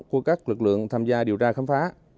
của các lực lượng tham gia điều tra khám phá